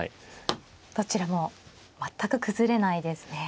どちらも全く崩れないですね。